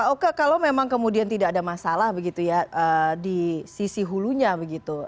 oke kalau memang kemudian tidak ada masalah begitu ya di sisi hulunya begitu